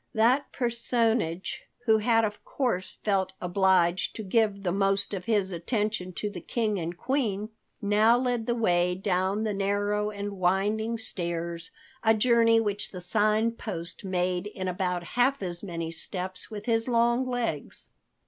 That personage, who had of course felt obliged to give the most of his attention to the King and Queen, now led the way down the narrow and winding stairs, a journey which the Sign Post made in about half as many steps with his long legs.